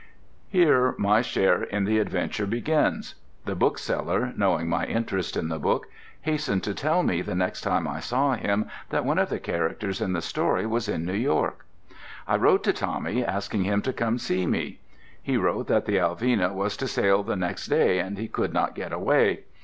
Here my share in the adventure begins. The bookseller, knowing my interest in the book, hastened to tell me the next time I saw him that one of the characters in the story was in New York. I wrote to Tommy asking him to come to see me. He wrote that the Alvina was to sail the next day, and he could not get away.